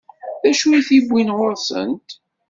D acu i t-iwwin ɣur-sent?